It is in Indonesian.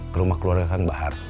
sama keluarga kan mbah har